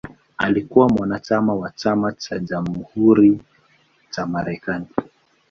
Alikuwa mwanachama wa Chama cha Jamhuri cha Marekani.